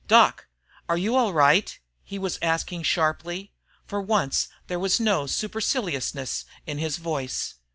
"Doc! Are you all right?" he was asking sharply. For once, there was no superciliousness in his voice.